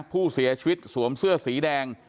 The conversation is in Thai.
ผู้เสียชีวิตสวมเสื้อสีแดง